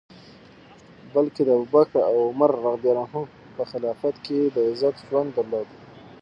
بلکه د ابوبکر او عمر رض په خلافت کي یې د عزت ژوند درلود.